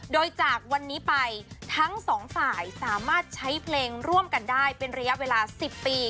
โดยจากวันนี้ไปทั้งสองฝ่ายสามารถใช้เพลงร่วมกันได้เป็นระยะเวลา๑๐ปี